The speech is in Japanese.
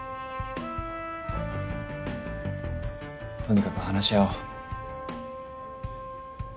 とにかく話し合おう。